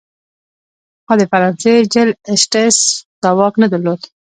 خو د فرانسې جل اسټټس دا واک نه درلود.